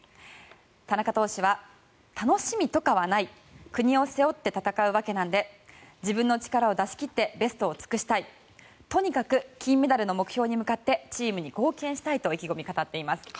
田中投手は楽しみとかはない国を背負って戦うわけなんで自分の力を出し切ってベストを尽くしたいとにかく金メダルの目標に向かってチームに貢献したいと意気込みを語っています。